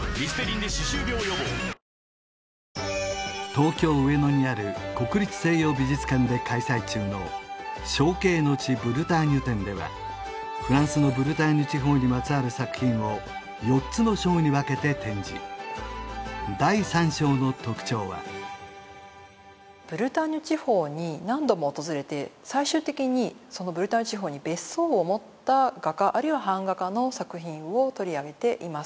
東京上野にある国立西洋美術館で開催中の「憧憬の地ブルターニュ」展ではフランスのブルターニュ地方にまつわる作品を４つの章に分けて展示第３章の特徴はブルターニュ地方に何度も訪れて最終的にそのブルターニュ地方に別荘を持った画家あるいは版画家の作品を取り上げています